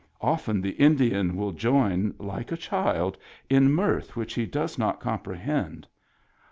Often the Indian will join, like a child, in mirth which he does not comprehend.